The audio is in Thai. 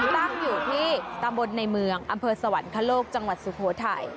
ตั้งอยู่ที่ตำบลในเมืองอำเภอสวรรคโลกจังหวัดสุโขทัย